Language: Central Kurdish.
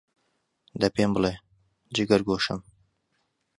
دە پێم بڵێ، جگەرگۆشەم،